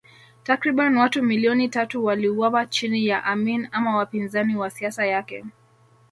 Takriban watu milioni tatu waliuawa chini ya Amin ama wapinzani wa siasa yake